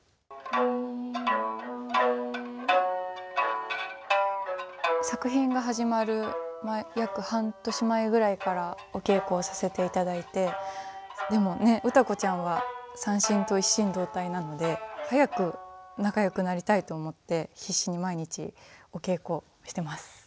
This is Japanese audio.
「実れる」作品が始まる約半年前ぐらいからお稽古させていただいてでもね歌子ちゃんは三線と一心同体なので早く仲よくなりたいと思って必死に毎日お稽古してます。